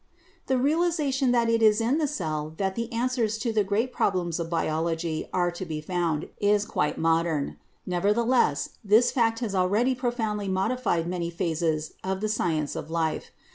The realization that it is in the cell that the answers CELL LIFE 59 to the great problems of biology are to be found is quite modern. Nevertheless this fact has already profoundly modified many phases of the science of life.